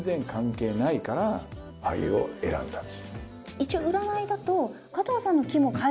一応占いだと。